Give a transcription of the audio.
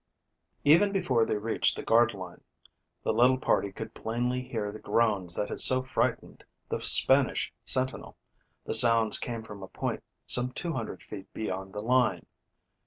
EVEN before they reached the guard line, the little party could plainly hear the groans that had so frightened the Spanish sentinel. The sounds came from a point some two hundred feet beyond the line.